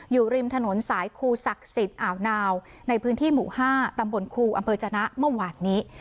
อยู่ริมถนนสายครูศักดิ์สิทธิ์อ่าวนาวในพื้นที่หมู่๕ตำบลครูอำเภอจนะเมื่อวานนี้